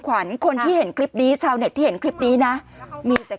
ขวัญคนที่เห็นคลิปนี้ชาวเน็ตที่เห็นคลิปนี้นะมีแต่